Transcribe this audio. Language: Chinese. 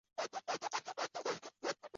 他的工作是令敌人迷失方向。